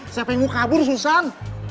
siapa yang mau kabur susan